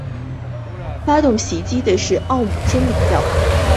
发动袭击的是奥姆真理教。